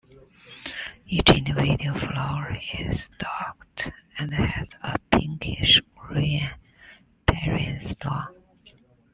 Each individual flower is stalked and has a pinkish-green perianth long.